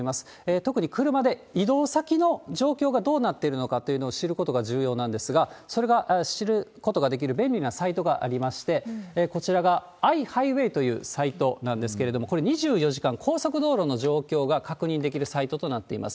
特に車で移動先の状況がどうなっているのかということを知ることが重要なんですが、それが知ることができる便利なサイトがありまして、こちらがアイハイウェイというサイトなんですけれども、これ、２４時間、高速道路の状況が確認できるサイトとなっています。